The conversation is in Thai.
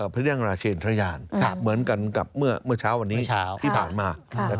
พระเจนต์ราชญานเหมือนกันกับเมื่อเช้าวันนี้ที่ผ่านมา